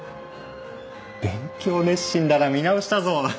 勉強熱心だな見直したぞ。